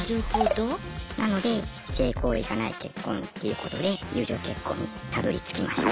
なので性行為がない結婚っていうことで友情結婚にたどりつきました。